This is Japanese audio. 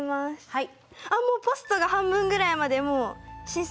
はい。